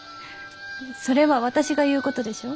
それは私が言うことでしょ？